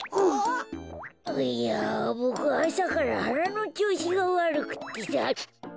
いやボクあさからはなのちょうしがわるくってさ。